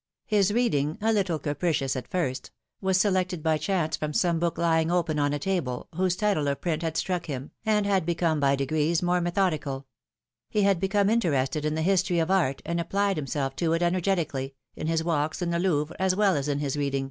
His reading, a little capricious at first, was selected by cliance from some book lying open on a table, whose title or print had struck him, and had become by degrees more methodical ; he had become interested in the history of Art, and applied himself to it energetically, in his walks in the Louvre as well as in his reading.